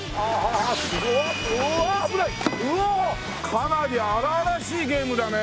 かなり荒々しいゲームだね。